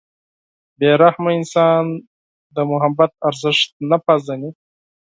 • بې رحمه انسان د محبت ارزښت نه پېژني.